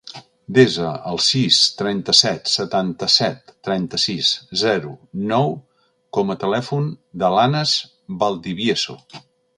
Desa el sis, trenta-set, setanta-set, trenta-sis, zero, nou com a telèfon de l'Anas Valdivieso.